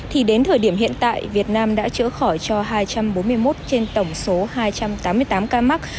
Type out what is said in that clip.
thì đến thời điểm hiện tại việt nam đã chữa khỏi cho hai trăm bốn mươi một trên tổng số hai trăm tám mươi tám ca mắc